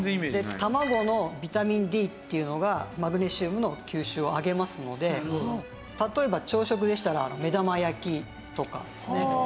卵のビタミンＤっていうのがマグネシウムの吸収を上げますので例えば朝食でしたら目玉焼きとかですね。